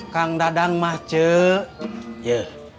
kang dadang mah ceh